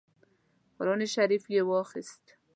قران شریف یې واخیست.